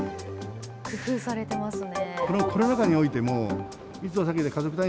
工夫されてますね。